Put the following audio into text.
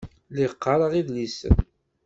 Lliɣ qqareɣ idlisen.